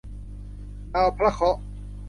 ดาวพระเคราะห์